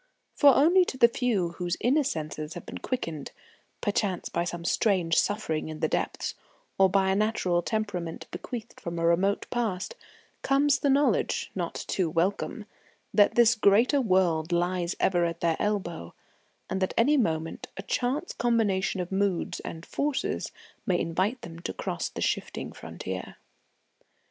For only to the few whose inner senses have been quickened, perchance by some strange suffering in the depths, or by a natural temperament bequeathed from a remote past, comes the knowledge, not too welcome, that this greater world lies ever at their elbow, and that any moment a chance combination of moods and forces may invite them to cross the shifting frontier.